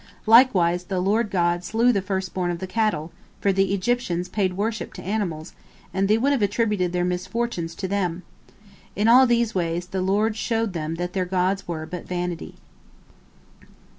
Likewise the Lord God slew the first born of the cattle, for the Egyptians paid worship to animals, and they would have attributed their misfortunes to them. In all these ways the Lord showed them that their gods were but vanity.